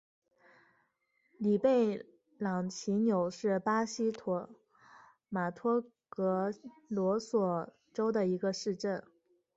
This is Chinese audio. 里贝朗齐纽是巴西马托格罗索州的一个市镇。